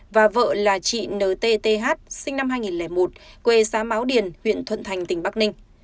và vợ là chị ntth th sinh năm hai nghìn một quê xá máu điền huyện thuận thành tỉnh bắc ninh